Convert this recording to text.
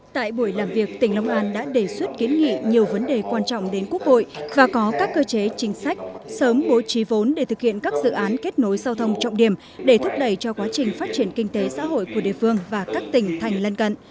tại buổi làm việc tỉnh long an đã đề xuất kiến nghị nhiều vấn đề quan trọng đến quốc hội và có các cơ chế chính sách sớm bố trí vốn để thực hiện các dự án kết nối giao thông trọng điểm để thúc đẩy cho quá trình phát triển kinh tế xã hội của địa phương và các tỉnh thành lân cận